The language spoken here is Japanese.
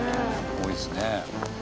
多いですね。